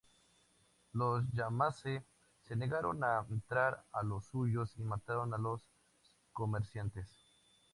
Los yamasee se negaron a entregar a los suyos y mataron a los comerciantes.